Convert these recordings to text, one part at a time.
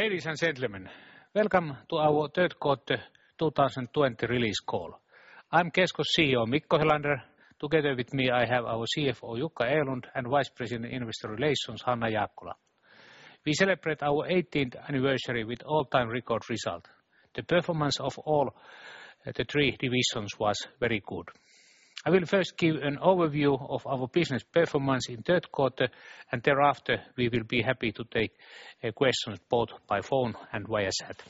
Ladies and gentlemen, welcome to our third quarter 2020 release call. I'm Kesko CEO Mikko Helander. Together with me, I have our CFO Jukka Erlund and Vice President, Investor Relations, Hanna Jaakkola. We celebrate our 18th anniversary with all-time record result. The performance of all the three divisions was very good. I will first give an overview of our business performance in third quarter. Thereafter, we will be happy to take questions both by phone and via chat.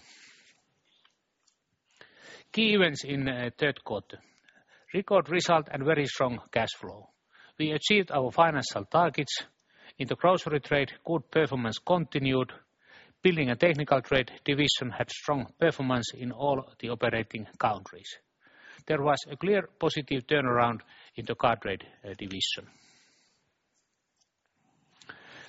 Key events in third quarter. Record result and very strong cash flow. We achieved our financial targets. In the grocery trade, good performance continued. Building and Technical Trade Division had strong performance in all the operating countries. There was a clear positive turnaround in the Car Trade Division.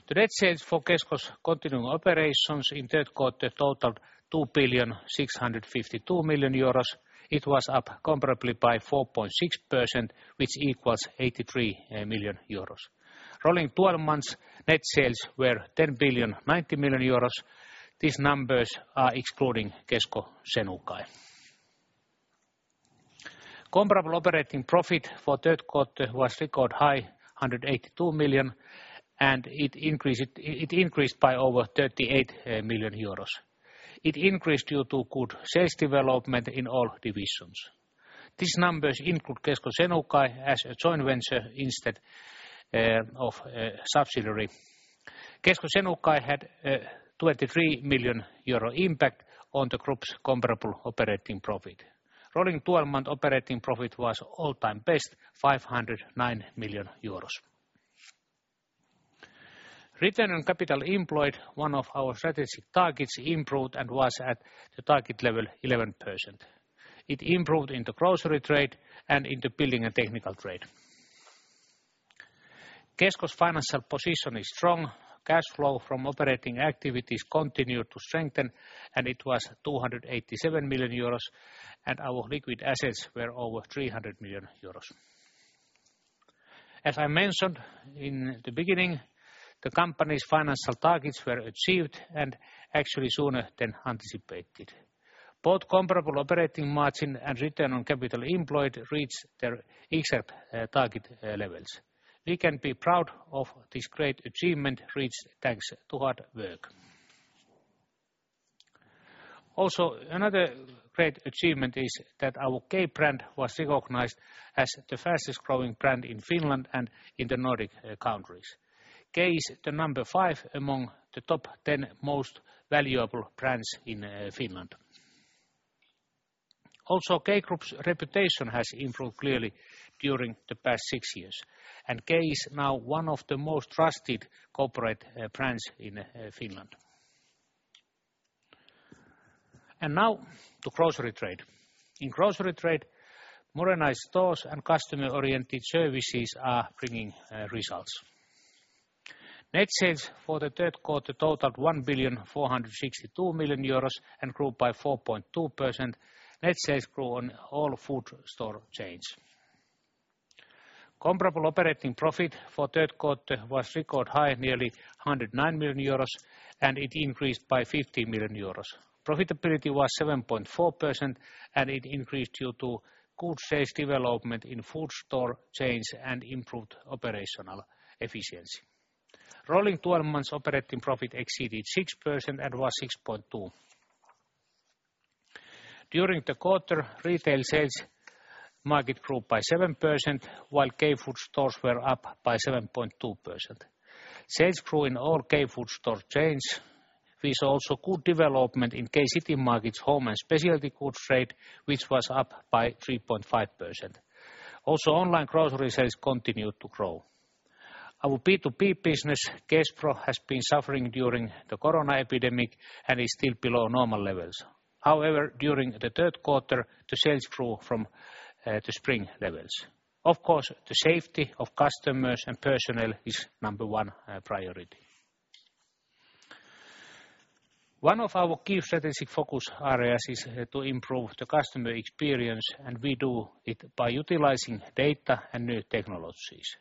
The net sales for Kesko's continuing operations in third quarter totaled 2.652 billion. It was up comparably by 4.6%, which equals 83 million euros. Rolling 12 months net sales were 10.090 billion. These numbers are excluding Kesko Senukai. Comparable operating profit for third quarter was record high, 182 million, and it increased by over 38 million euros. It increased due to good sales development in all divisions. These numbers include Kesko Senukai as a joint venture instead of a subsidiary. Kesko Senukai had a 23 million euro impact on the group's comparable operating profit. Rolling 12 month operating profit was all-time best, 509 million euros. Return on capital employed, one of our strategic targets, improved and was at the target level 11%. It improved in the grocery trade and in the building and technical trade. Kesko's financial position is strong. Cash flow from operating activities continued to strengthen, and it was 287 million euros, and our liquid assets were over 300 million euros. As I mentioned in the beginning, the company's financial targets were achieved and actually sooner than anticipated. Both comparable operating margin and return on capital employed reached their exact target levels. We can be proud of this great achievement reached thanks to hard work. Also, another great achievement is that our K brand was recognized as the fastest growing brand in Finland and in the Nordic countries. K is the number 5 among the top 10 most valuable brands in Finland. Also, K Group's reputation has improved clearly during the past six years, and K is now one of the most trusted corporate brands in Finland. Now to grocery trade. In grocery trade, modernized stores and customer-oriented services are bringing results. Net sales for the third quarter totaled 1.462 billion and grew by 4.2%. Net sales grew on all food store chains. Comparable operating profit for third quarter was record high, nearly 109 million euros, and it increased by 50 million euros. Profitability was 7.4%, and it increased due to good sales development in food store chains and improved operational efficiency. Rolling 12 months operating profit exceeded 6% and was 6.2%. During the quarter, retail sales market grew by 7%, while K food stores were up by 7.2%. Sales grew in all K food store chains. We saw also good development in K-Citymarket's home and specialty goods trade, which was up by 3.5%. Online grocery sales continued to grow. Our B2B business, Kespro, has been suffering during the corona epidemic and is still below normal levels. During the third quarter, the sales grew from the spring levels. Of course, the safety of customers and personnel is number one priority. One of our key strategic focus areas is to improve the customer experience, and we do it by utilizing data and new technologies.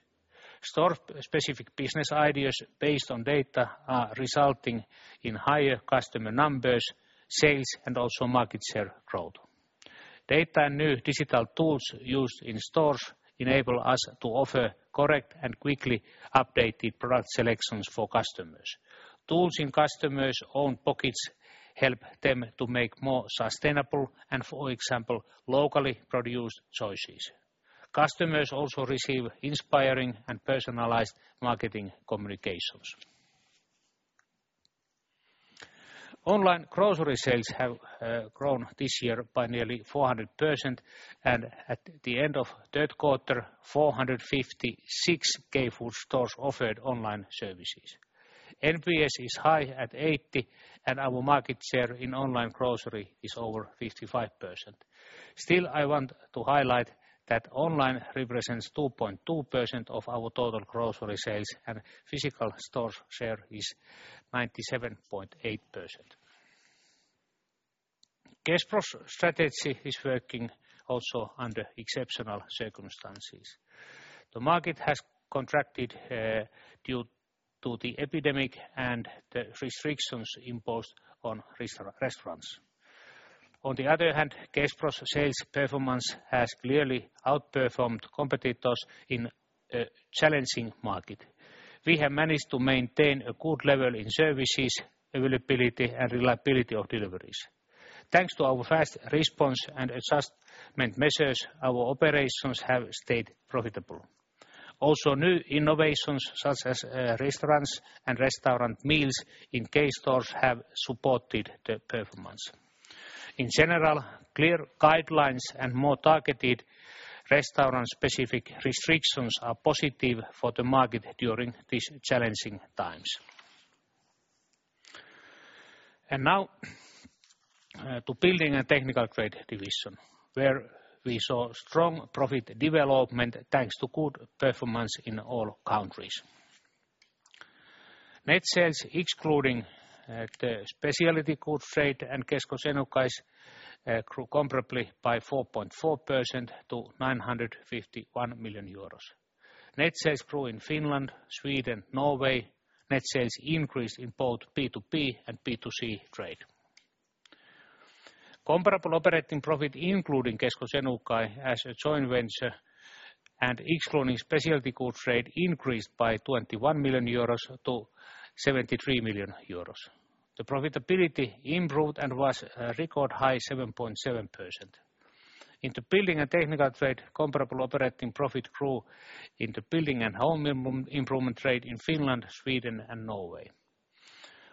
Store specific business ideas based on data are resulting in higher customer numbers, sales, and also market share growth. Data and new digital tools used in stores enable us to offer correct and quickly updated product selections for customers. Tools in customers' own pockets help them to make more sustainable and, for example, locally produced choices. Customers also receive inspiring and personalized marketing communications. Online grocery sales have grown this year by nearly 400%, and at the end of third quarter, 456 K-food stores offered online services. NPS is high at 80, and our market share in online grocery is over 55%. Still, I want to highlight that online represents 2.2% of our total grocery sales and physical store share is 97.8%. Kespro's strategy is working also under exceptional circumstances. The market has contracted due to the epidemic and the restrictions imposed on restaurants. On the other hand, Kespro's sales performance has clearly outperformed competitors in a challenging market. We have managed to maintain a good level in services, availability, and reliability of deliveries. Thanks to our fast response and adjustment measures, our operations have stayed profitable. Also, new innovations such as restaurants and restaurant meals in K stores have supported the performance. In general, clear guidelines and more targeted restaurant-specific restrictions are positive for the market during these challenging times. Now to building a technical trade division, where we saw strong profit development, thanks to good performance in all countries. Net sales, excluding the specialty good trade and Kesko Senukai, grew comparably by 4.4% to 951 million euros. Net sales grew in Finland, Sweden, Norway. Net sales increased in both B2B and B2C trade. Comparable operating profit, including Kesko Senukai as a joint venture and excluding specialty good trade, increased by 21 million euros to 73 million euros. The profitability improved and was a record high 7.7%. In the building and technical trade, comparable operating profit grew in the building and home improvement trade in Finland, Sweden, and Norway.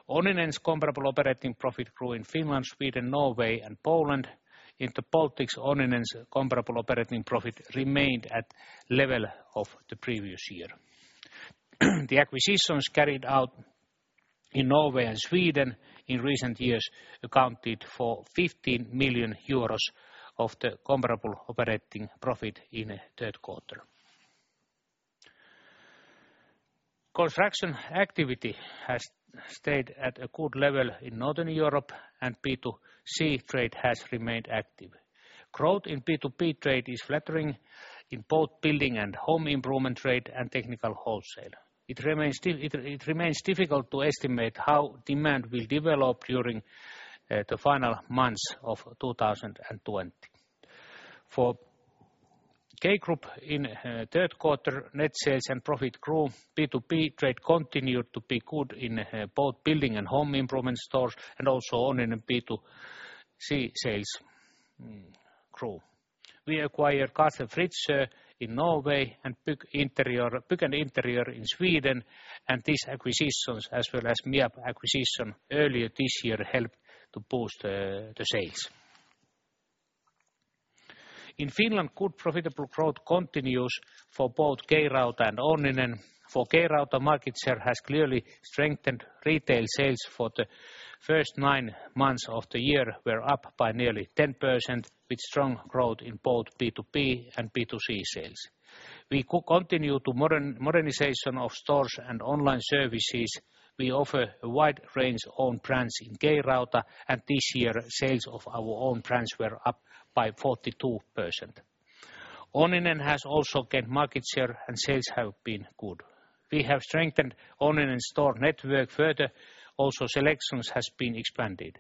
Onninen's comparable operating profit grew in Finland, Sweden, Norway, and Poland. In the Baltics, Onninen's comparable operating profit remained at level of the previous year. The acquisitions carried out in Norway and Sweden in recent years accounted for 15 million euros of the comparable operating profit in third quarter. Construction activity has stayed at a good level in Northern Europe, and B2C trade has remained active. Growth in B2B trade is flattering in both building and home improvement trade and technical wholesale. It remains difficult to estimate how demand will develop during the final months of 2020. For K Group in third quarter, net sales and profit grew. B2B trade continued to be good in both building and home improvement stores, and also Onninen B2C sales grew. We acquired Carlsen Fritzøe in Norway and Bygg & Interiør in Sweden, and these acquisitions, as well as MIAB acquisition earlier this year, helped to boost the sales. In Finland, good profitable growth continues for both K-Rauta and Onninen. For K-Rauta, market share has clearly strengthened retail sales for the first nine months of the year were up by nearly 10%, with strong growth in both B2B and B2C sales. We could continue to modernization of stores and online services. We offer a wide range own brands in K-Rauta, and this year, sales of our own brands were up by 42%. Onninen has also gained market share and sales have been good. We have strengthened Onninen store network further. Also, selections has been expanded.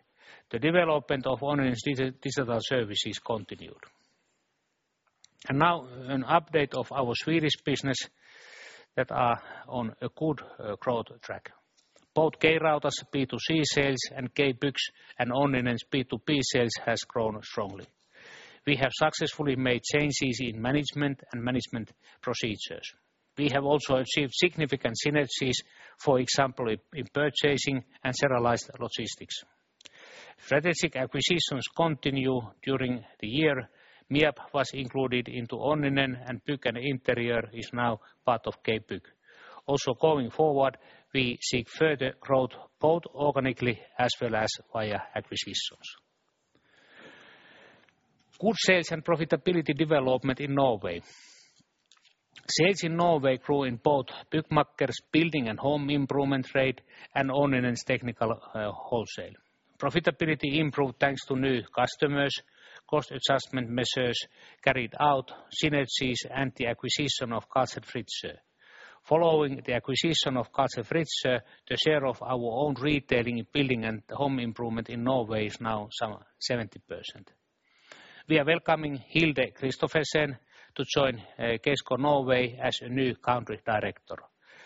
The development of Onninen's digital services continued. Now an update of our Swedish business that are on a good growth track. Both K-Rauta's B2C sales and K-Bygg's and Onninen's B2B sales has grown strongly. We have successfully made changes in management and management procedures. We have also achieved significant synergies, for example, in purchasing and centralized logistics. Strategic acquisitions continue during the year. Miab was included into Onninen and Bygg & Interiør is now part of K-Bygg. Also, going forward, we seek further growth both organically as well as via acquisitions. Good sales and profitability development in Norway. Sales in Norway grew in both Byggmakker's building and home improvement retail and Onninen's technical wholesale. Profitability improved, thanks to new customers, cost adjustment measures carried out, synergies, and the acquisition of Carlsen Fritzøe. Following the acquisition of Carlsen Fritzøe, the share of our own retailing in building and home improvement in Norway is now 70%. We are welcoming Hilde Kristoffersen to join Kesko Norway as a new country director.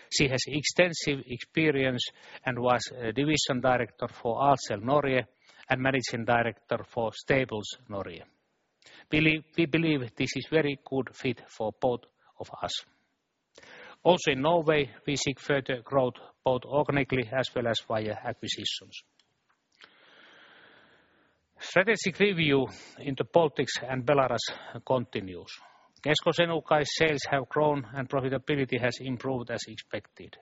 She has extensive experience and was division director for Ahlsell Norge and managing director for Staples Norge. We believe this is very good fit for both of us. Also in Norway, we seek further growth both organically as well as via acquisitions. Strategic review in the Baltics and Belarus continues. Kesko Senukai sales have grown and profitability has improved as expected.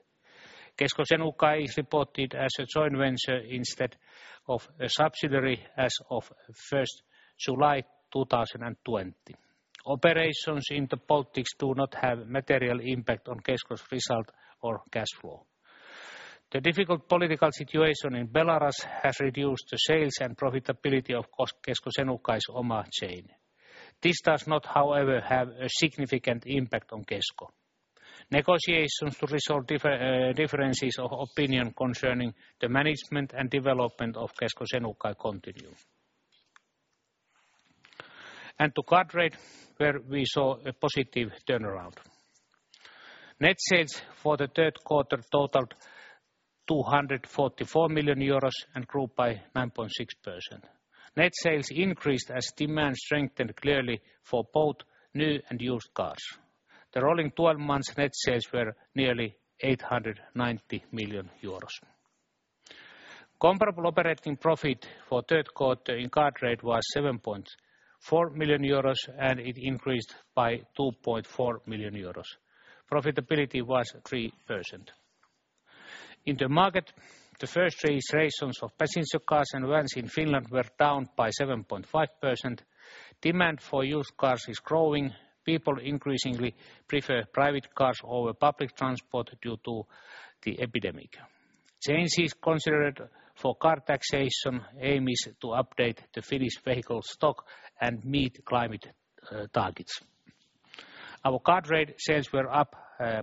Kesko Senukai is reported as a joint venture instead of a subsidiary as of 1st July 2020. Operations in the Baltics do not have material impact on Kesko's result or cash flow. The difficult political situation in Belarus has reduced the sales and profitability of Kesko Senukai's OMA chain. This does not, however, have a significant impact on Kesko. Negotiations to resolve differences of opinion concerning the management and development of Kesko Senukai continue. To Car Trade, where we saw a positive turnaround. Net sales for the third quarter totaled 244 million euros and grew by 9.6%. Net sales increased as demand strengthened clearly for both new and used cars. The rolling 12 months net sales were nearly 890 million euros. Comparable operating profit for third quarter in Car Trade was 7.4 million euros, and it increased by 2.4 million euros. Profitability was 3%. In the market, the first registrations of passenger cars and vans in Finland were down by 7.5%. Demand for used cars is growing. People increasingly prefer private cars over public transport due to the epidemic. Changes considered for car taxation aim is to update the Finnish vehicle stock and meet climate targets. Our Car Trade sales were up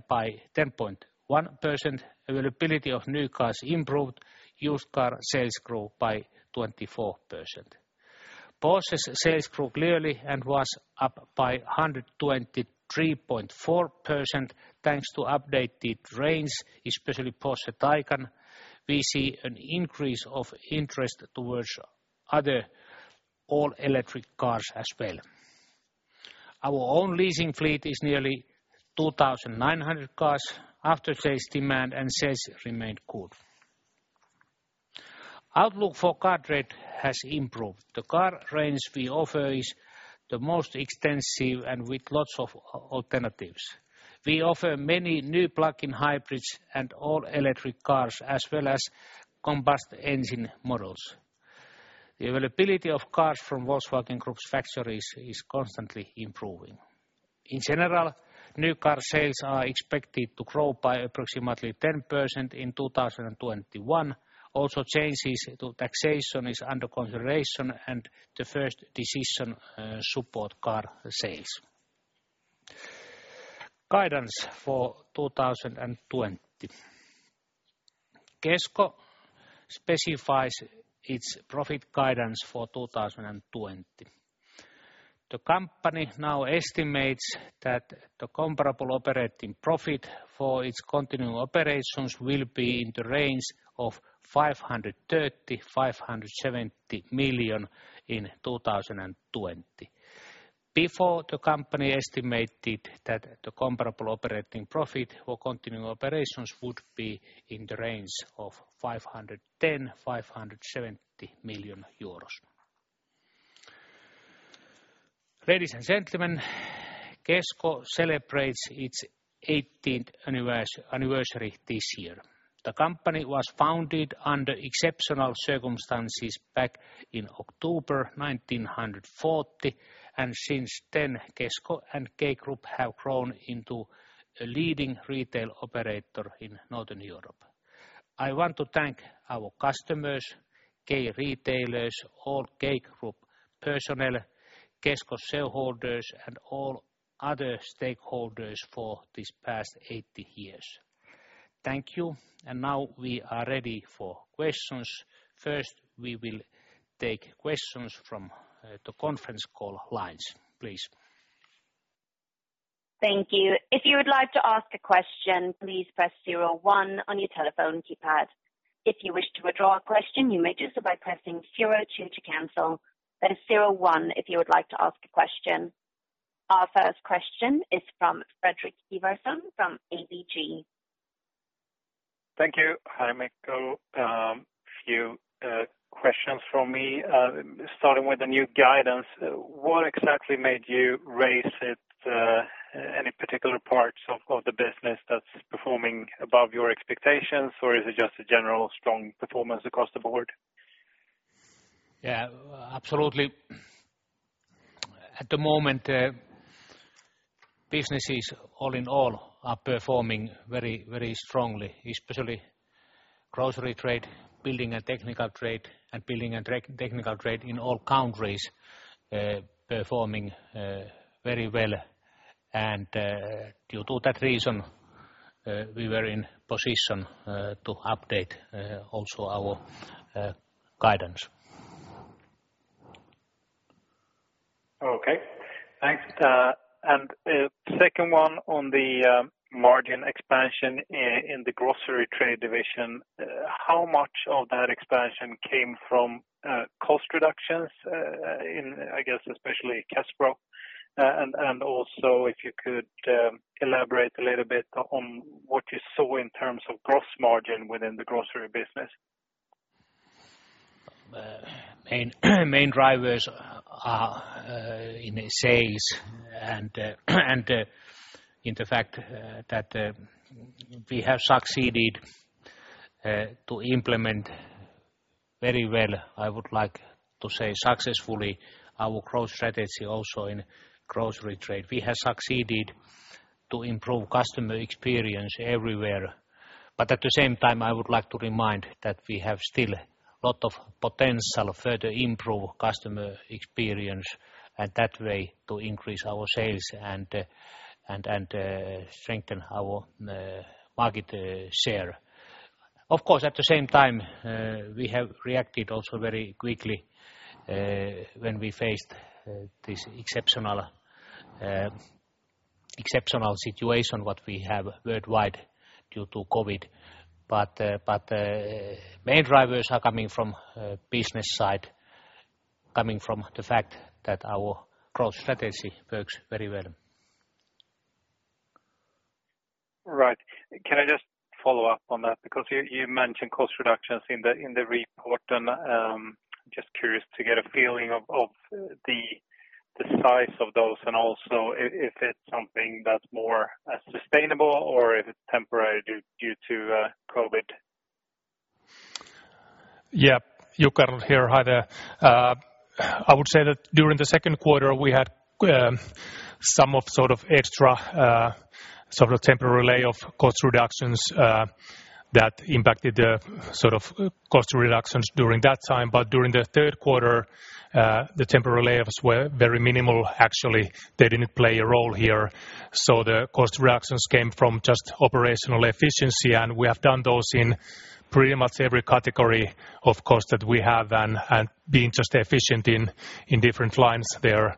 by 10.1%. Availability of new cars improved. Used car sales grew by 24%. Porsche sales grew clearly and was up by 123.4% thanks to updated range, especially Porsche Taycan. We see an increase of interest towards other all-electric cars as well. Our own leasing fleet is nearly 2,900 cars. After-sales demand and sales remained good. Outlook for Car Trade has improved. The car range we offer is the most extensive and with lots of alternatives. We offer many new plug-in hybrids and all-electric cars as well as combustion engine models. The availability of cars from Volkswagen Group's factories is constantly improving. In general, new car sales are expected to grow by approximately 10% in 2021. Changes to taxation is under consideration and the first decision support car sales. Guidance for 2020. Kesko specifies its profit guidance for 2020. The company now estimates that the comparable operating profit for its continuing operations will be in the range of 530 million-570 million in 2020. Before, the company estimated that the comparable operating profit for continuing operations would be in the range of 510 million-570 million euros. Ladies and gentlemen, Kesko celebrates its 80th anniversary this year. The company was founded under exceptional circumstances back in October 1940, and since then, Kesko and K Group have grown into a leading retail operator in Northern Europe. I want to thank our customers, K-retailers, all K Group personnel, Kesko shareholders, and all other stakeholders for these past 80 years. Thank you. Now we are ready for questions. First, we will take questions from the conference call lines, please. Thank you. If you would like to ask a question, please press zero one on your telephone keypad. If you wish to withdraw your question, you may do so by pressing zero two to cancel. That is zero one if you would like to ask a question. Our first question is from Fredrik Ivarsson from ABG. Thank you, Heimo. A few questions from me, starting with the new guidance. What exactly made you raise it? Any particular parts of the business that's performing above your expectations, or is it just a general strong performance across the board? Yeah, absolutely. At the moment, businesses all in all are performing very strongly, especially grocery trade, building and technical trade, and building and technical trade in all countries, performing very well. Due to that reason, we were in position to update also our guidance. Okay, thanks. Second one on the margin expansion in the grocery trade division. How much of that expansion came from cost reductions in, I guess, especially Kespro? Also if you could elaborate a little bit on what you saw in terms of gross margin within the grocery business. Main drivers are in sales and in the fact that we have succeeded to implement very well, I would like to say successfully our growth strategy also in grocery trade. We have succeeded to improve customer experience everywhere. At the same time, I would like to remind that we have still a lot of potential to further improve customer experience, and that way to increase our sales and strengthen our market share. Of course, at the same time, we have reacted also very quickly when we faced this exceptional situation that we have worldwide due to COVID. The main drivers are coming from business side, coming from the fact that our growth strategy works very well. Right. Can I just follow up on that? You mentioned cost reductions in the report and I'm just curious to get a feeling of the size of those and also if it's something that's more sustainable or if it's temporary due to COVID. Yeah. Jukka here. Hi there. I would say that during the second quarter, we had some sort of extra temporary layoff cost reductions that impacted the cost reductions during that time. During the third quarter, the temporary layoffs were very minimal. Actually, they didn't play a role here. The cost reductions came from just operational efficiency, and we have done those in pretty much every category of cost that we have and being just efficient in different lines there.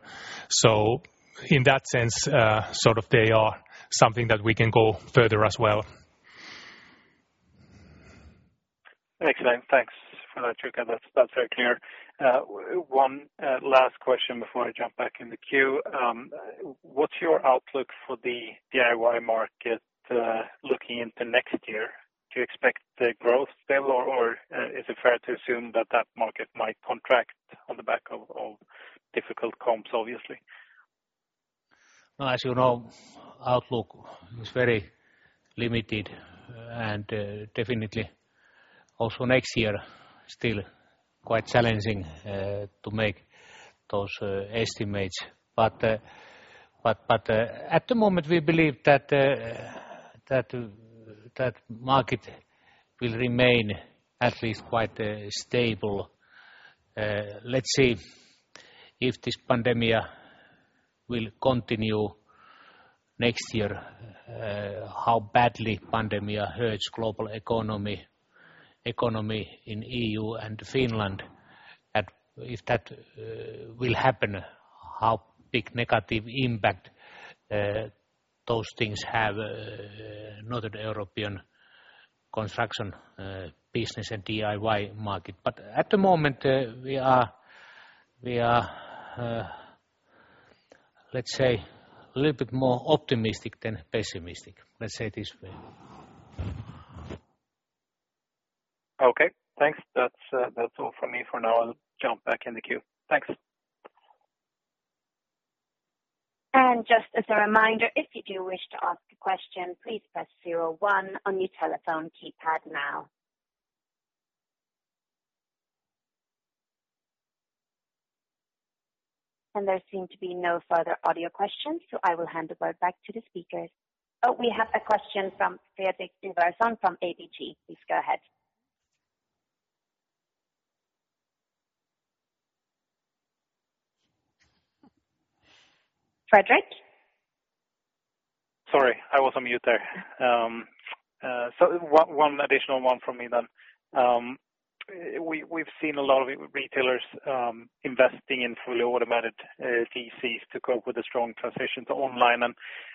In that sense, they are something that we can go further as well. Excellent. Thanks for that, Jukka. That's very clear. One last question before I jump back in the queue. What's your outlook for the DIY market looking into next year? Do you expect the growth still, or is it fair to assume that that market might contract on the back of difficult comps, obviously? As you know, outlook is very limited and definitely also next year, still quite challenging to make those estimates. At the moment, we believe that market will remain at least quite stable. Let's see if this pandemic will continue next year, how badly pandemic hurts global economy in EU and Finland. If that will happen, how big negative impact those things have Northern European construction business and DIY market. At the moment, we are, let's say a little bit more optimistic than pessimistic. Let's say it this way. Okay, thanks. That's all from me for now. I'll jump back in the queue. Thanks. Just as a reminder, if you do wish to ask a question. There seem to be no further audio questions, so I will hand the word back to the speakers. Oh, we have a question from Fredrik Ivarsson from ABG. Please go ahead. Fredrik? Sorry, I was on mute there. One additional one from me. We've seen a lot of retailers investing in fully automated DCs to cope with the strong transition to online.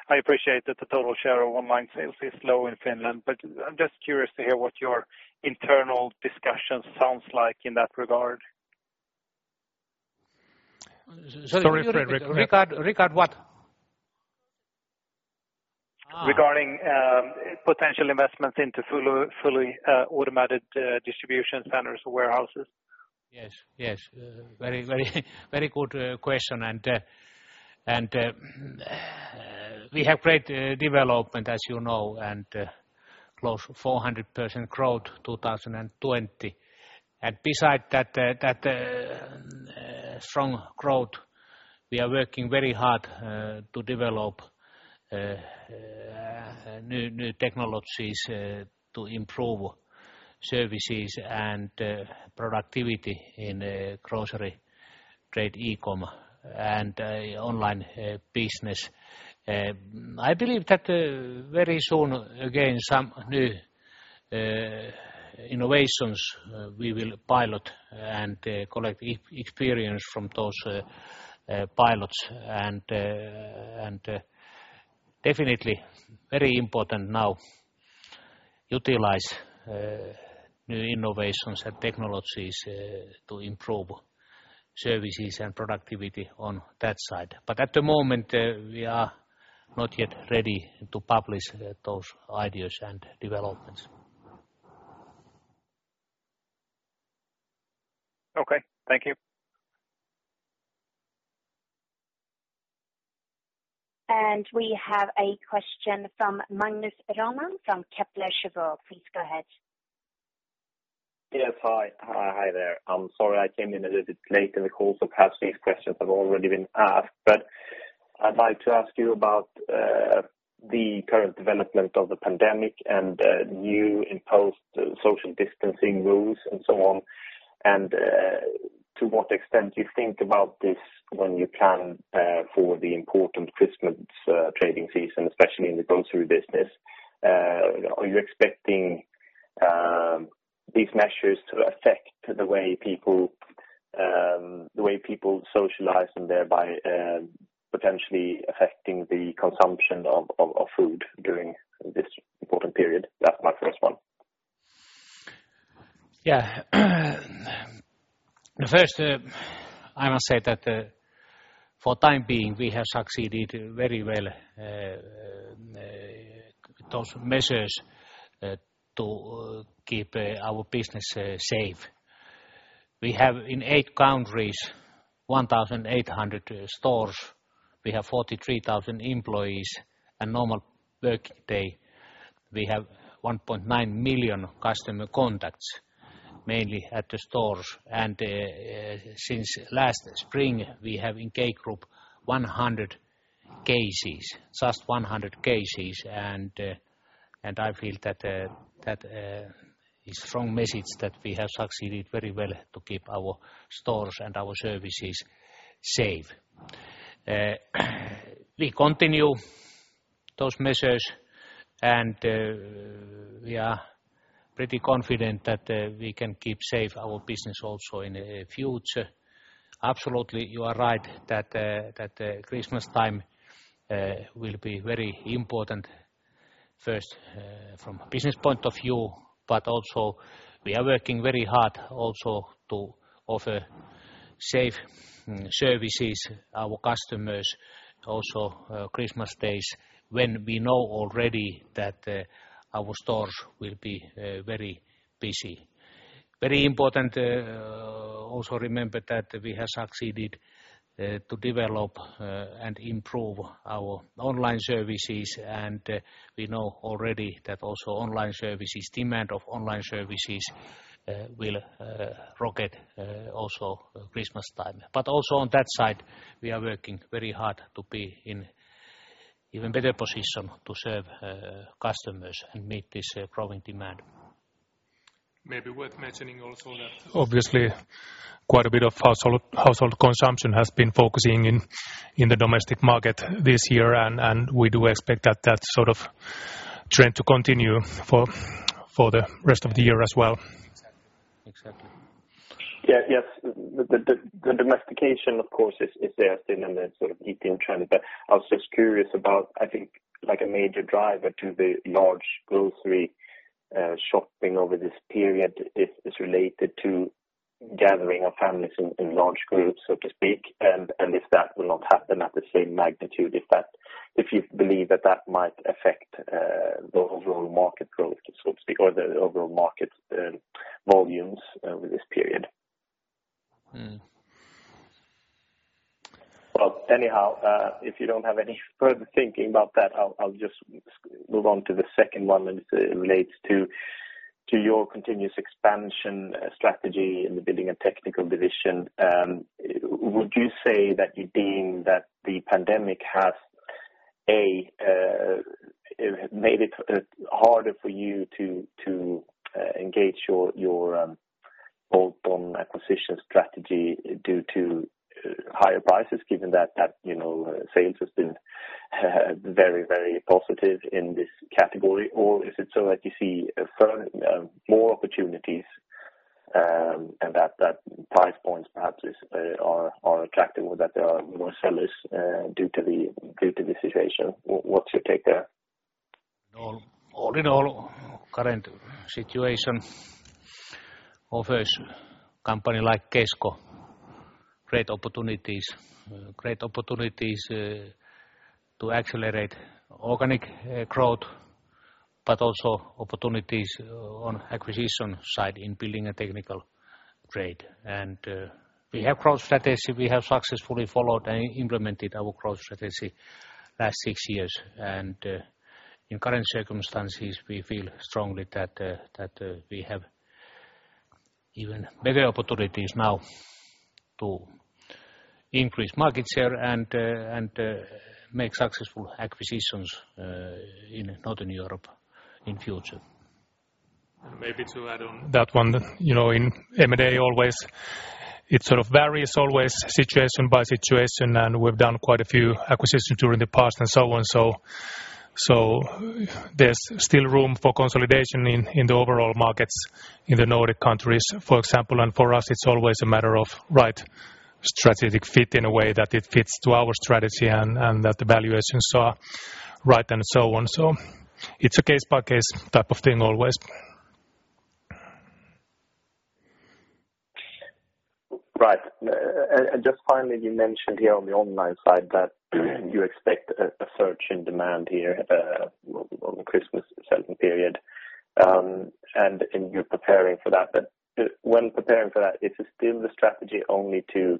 I appreciate that the total share of online sales is low in Finland. I'm just curious to hear what your internal discussion sounds like in that regard. Sorry, Fredrik. Regarding what? Regarding potential investments into fully automated distribution centers or warehouses. Yes. Very good question. We have great development, as you know, close to 400% growth 2020. Beside that strong growth, we are working very hard to develop new technologies to improve services and productivity in grocery trade e-com and online business. I believe that very soon, again, some new innovations we will pilot and collect experience from those pilots and definitely very important now utilize new innovations and technologies to improve services and productivity on that side. At the moment, we are not yet ready to publish those ideas and developments. Okay. Thank you. We have a question from Magnus Råman from Kepler Cheuvreux. Please go ahead. Yes. Hi there. I'm sorry I came in a little bit late in the call, so perhaps these questions have already been asked. I'd like to ask you about the current development of the pandemic and the new imposed social distancing rules and so on, and to what extent you think about this when you plan for the important Christmas trading season, especially in the grocery business. Are you expecting these measures to affect the way people socialize and thereby potentially affecting the consumption of food during this important period? That's my first one. Yeah. First, I must say that for time being, we have succeeded very well, those measures to keep our business safe. We have, in eight countries, 1,800 stores. We have 43,000 employees. A normal working day, we have 1.9 million customer contacts, mainly at the stores. Since last spring, we have in K Group 100 cases. Just 100 cases, and I feel that is strong message that we have succeeded very well to keep our stores and our services safe. We continue those measures, and we are pretty confident that we can keep safe our business also in the future. Absolutely, you are right that Christmas time will be very important, first from a business point of view, but also we are working very hard also to offer safe services our customers also Christmas days, when we know already that our stores will be very busy. Very important, also remember that we have succeeded to develop and improve our online services, and we know already that also demand of online services will rocket also Christmas time. Also on that side, we are working very hard to be in even better position to serve customers and meet this growing demand. Maybe worth mentioning also that obviously quite a bit of household consumption has been focusing in the domestic market this year, and we do expect that sort of trend to continue for the rest of the year as well. Exactly. Yes. The domestication, of course, is there, and the eating trend. I was just curious about, I think, a major driver to the large grocery shopping over this period is related to gathering of families in large groups, so to speak, and if that will not happen at the same magnitude, if you believe that that might affect the overall market growth, so to speak, or the overall market volumes over this period. Well, anyhow, if you don't have any further thinking about that, I'll just move on to the second one, and it relates to your continuous expansion strategy in the building and technical division. Would you say that you deem that the pandemic has, A, made it harder for you to engage your bolt-on acquisition strategy due to higher prices, given that sales has been very positive in this category? Is it so that you see more opportunities, and that price points perhaps are attractive or that there are more sellers due to the situation? What's your take there? All in all, current situation offers company like Kesko great opportunities. Great opportunities to accelerate organic growth, but also opportunities on acquisition side in building a technical trade. We have growth strategy. We have successfully followed and implemented our growth strategy last six years. In current circumstances, we feel strongly that we have even better opportunities now to increase market share and make successful acquisitions in Northern Europe in future. Maybe to add on that one. In M&A always, it varies always situation by situation, and we've done quite a few acquisitions during the past and so on. There's still room for consolidation in the overall markets in the Nordic countries, for example. For us, it's always a matter of right strategic fit in a way that it fits to our strategy and that the valuations are right and so on. It's a case-by-case type of thing always. Just finally, you mentioned here on the online side that you expect a surge in demand here on the Christmas selling period. You're preparing for that. When preparing for that, is it still the strategy only to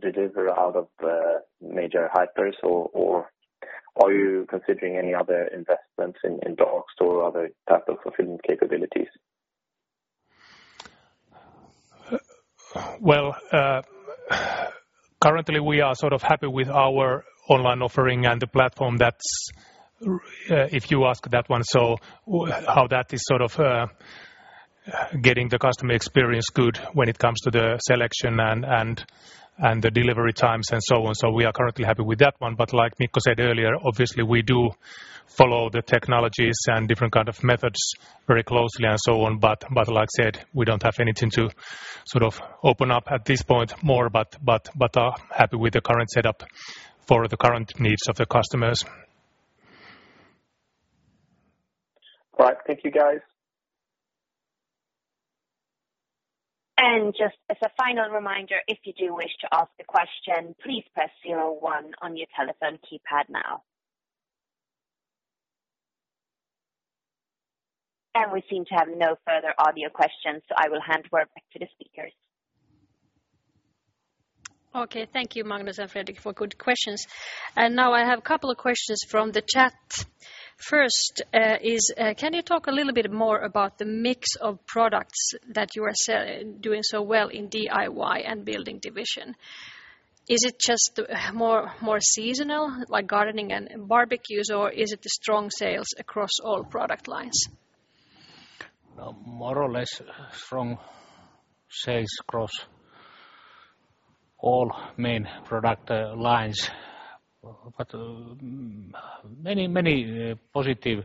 deliver out of major hypers, or are you considering any other investments in dark store or other type of fulfillment capabilities? Well, currently we are sort of happy with our online offering and the platform that's If you ask that one, so how that is sort of getting the customer experience good when it comes to the selection and the delivery times and so on. We are currently happy with that one. Like Mikko said earlier, obviously we do follow the technologies and different kind of methods very closely and so on. Like I said, we don't have anything to sort of open up at this point more, but are happy with the current setup for the current needs of the customers. Right. Thank you, guys. Just as a final reminder, if you do wish to ask a question, please press zero one on your telephone keypad now. We seem to have no further audio questions, so I will hand over back to the speakers. Okay. Thank you, Magnus and Fredrik, for good questions. Now I have a couple of questions from the chat. First is, can you talk a little bit more about the mix of products that you are doing so well in DIY and building division? Is it just more seasonal, like gardening and barbecues, or is it the strong sales across all product lines? More or less strong sales across all main product lines. Many positive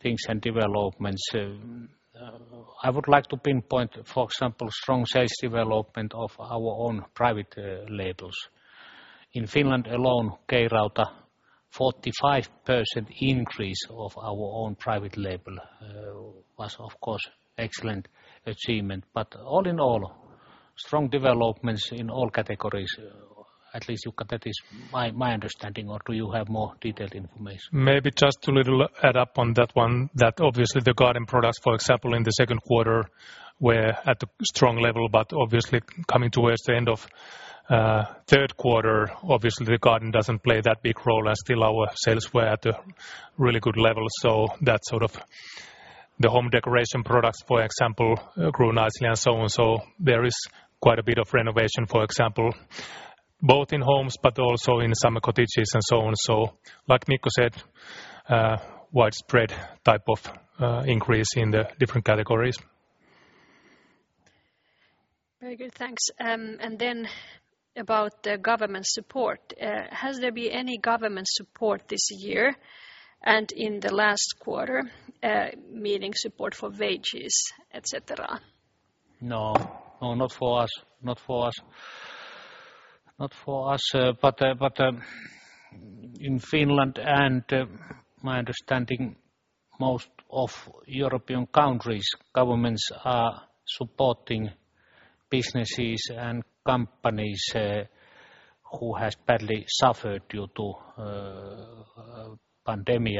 things and developments. I would like to pinpoint, for example, strong sales development of our own private labels. In Finland alone, K-Rauta, 45% increase of our own private label was, of course, excellent achievement. All in all, strong developments in all categories. At least, Jukka, that is my understanding, or do you have more detailed information? Maybe just to little add up on that one, that obviously the garden products, for example, in the second quarter, were at a strong level. Obviously, coming towards the end of third quarter, obviously, the garden doesn't play that big role and still our sales were at a really good level. That sort of the home decoration products, for example, grew nicely and so on. There is quite a bit of renovation, for example, both in homes but also in summer cottages and so on. Like Mikko said, widespread type of increase in the different categories. Very good. Thanks. About the government support. Has there been any government support this year and in the last quarter, meaning support for wages, et cetera? No. Not for us. In Finland, and my understanding, most of European countries, governments are supporting businesses and companies who has badly suffered due to pandemic.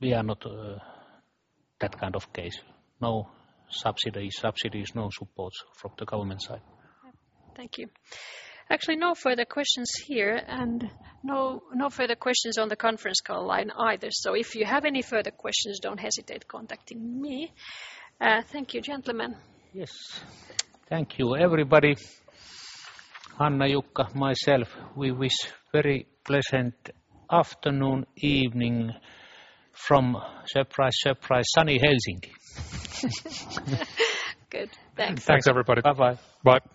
We are not that kind of case. No subsidies, no supports from the government side. Thank you. Actually, no further questions here, and no further questions on the conference call line either. If you have any further questions, don't hesitate contacting me. Thank you, gentlemen. Yes. Thank you, everybody. Hanna, Jukka, myself, we wish very pleasant afternoon, evening from, surprise, sunny Helsinki. Good. Thanks. Thanks, everybody. Bye-bye. Bye.